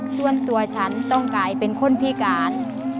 ส่วนตัวฉันต้องกลายเป็นคนพิการ